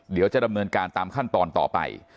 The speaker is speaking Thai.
เดี๋ยวจะดำเนินการตามขั้นตอนต่อไป